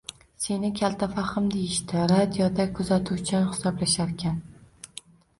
Seni kaltafahm deyishdi, radioda kuzatuvchan hisoblasharkan